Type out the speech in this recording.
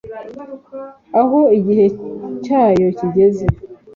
aho, igihe cyacyo kigeze